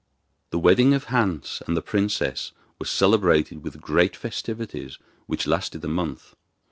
The wedding of Hans and the princess was celebrated with great festivities which lasted a month.